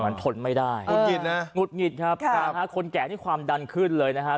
มันทนไม่ได้งุดหงิดนะครับคนแก่ที่ความดันขึ้นเลยนะครับ